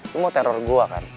lo mau teror gue kan